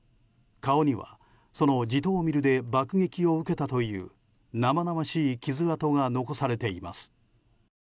顔にはそのジトーミルで爆撃を受けたという生々しい傷跡が残されています。